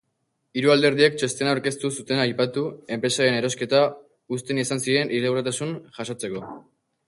Hiru alderdiek txostena aurkeztu zuten aipatu enpresaren erosketan ustez izan ziren irregulartasunak jasotzeko.